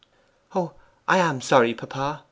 'Oh, I am sorry, papa.